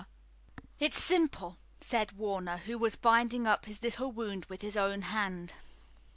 "It's simple," said Warner, who was binding up his little wound with his own hand.